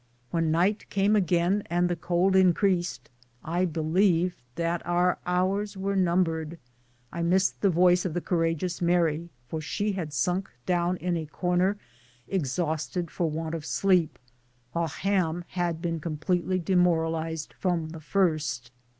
When night came again and the cold increased, I believed that our hours were numbered. I missed the voice of the courageous Mary, for she had sunk down in a corner exhausted for want of sleep, while Ham had been completely demoral ized from the first.